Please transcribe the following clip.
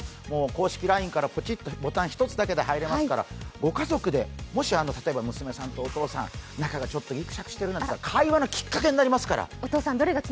公式ＬＩＮＥからボタン１つだけで入れますからご家族で、もし例えば娘さんとお父さん、仲がちょっとギクシャクしてるなってときは会話のきっかけになりますから。